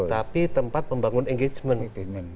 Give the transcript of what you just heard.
tapi tempat membangun engagement